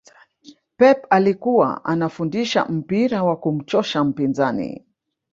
pep alikuwa anafundisha mpira wa kumchosha mpinzani